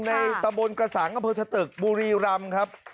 ในตะบนกระสางกระเผิดชะตึกบุรีรำครับ